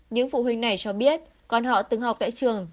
những phụ huynh này cho biết con họ từng học tại trường